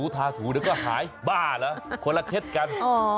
ทาถูเดี๋ยวก็หายบ้าเหรอคนละเคล็ดกัน